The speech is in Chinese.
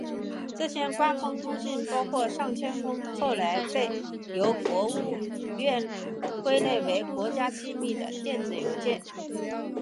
这些官方通信包括上千封后来被由国务院归类为国家机密的电子邮件。